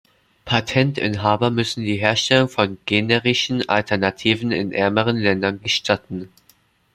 Patentinhaber müssen die Herstellung von generischen Alternativen in ärmeren Ländern gestatten.